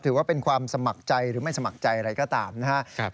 ถือว่าเป็นความสมัครใจหรือไม่สมัครใจอะไรก็ตามนะครับ